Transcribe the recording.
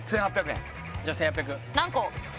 じゃあ１８００何個？